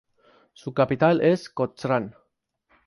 Su capital es Cochrane.